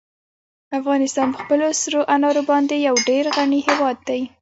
افغانستان په خپلو سرو انارو باندې یو ډېر غني هېواد دی.